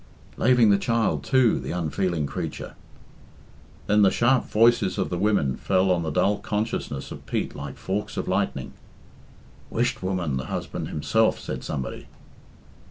"Laving the child, too, the unfeeling creature." Then the sharp voices of the women fell on the dull consciousness of Pete like forks of lightning. "Whisht, woman! the husband himself," said somebody.